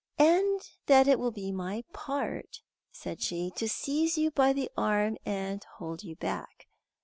"And that it will be my part," said she, "to seize you by the arm and hold you back.